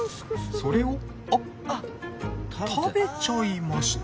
それをあっ食べちゃいました。